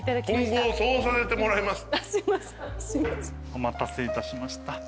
お待たせいたしました。